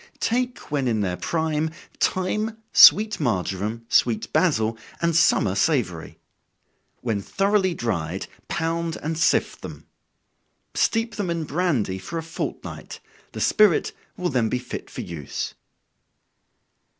Take when in their prime, thyme, sweet marjoram, sweet basil, and summer savory. When thoroughly dried, pound and sift them. Steep them in brandy for a fortnight, the spirit will then be fit for use.